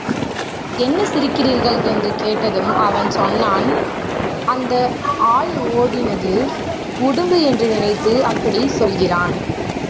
என்ன சிரிக்கிறீர்கள்? என்று கேட்டதும், அவன் சொன்னான், அந்த ஆள் ஓடினது உடும்பு என்று நினைத்து அப்படிச் சொல்கிறான்.